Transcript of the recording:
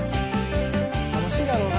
楽しいだろうな